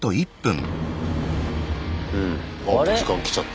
あ時間きちゃった。